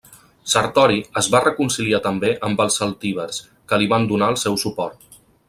Sertori es va reconciliar també amb els celtibers, que li van donar el seu suport.